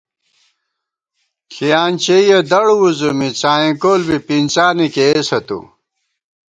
ݪِیانچېئیَہ دڑ وُځُمی څائیں کول بی پِنڅانےکېئیسہ تُو